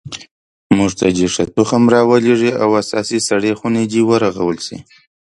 موږ ته دې ښه تخم را ولیږي او اساسي سړې خونې دې ورغول شي